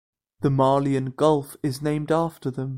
The Malian Gulf is named after them.